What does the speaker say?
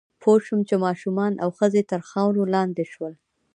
پوه شوم چې ماشومان او ښځې تر خاورو لاندې شول